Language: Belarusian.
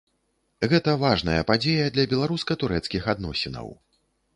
Гэта важная падзея для беларуска-турэцкіх адносінаў.